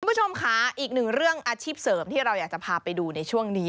คุณผู้ชมค่ะอีกหนึ่งเรื่องอาชีพเสริมที่เราอยากจะพาไปดูในช่วงนี้